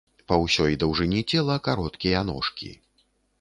Па ўсёй даўжыні цела кароткія ножкі.